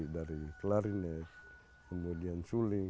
dari klarinet kemudian suling